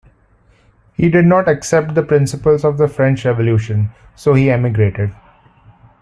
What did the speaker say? He did not accept the principles of the French Revolution, so he emigrated.